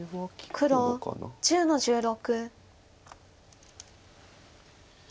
黒１０の十六。